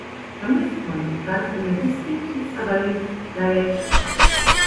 From this point it runs in a distinctly southerly direction.